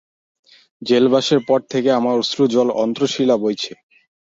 জেলবাসের পর থেকে আমার অশ্রুজল অন্তঃশীলা বইছে।